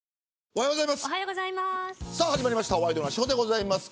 おはようございます。